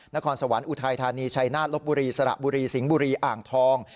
นครสวรรค์อุทัยธานีชัยนาฏลบบุรีสระบุรีสิงห์บุรีอ่างทอง